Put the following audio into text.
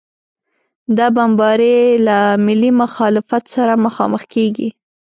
دا بمبارۍ له ملي مخالفت سره مخامخ کېږي.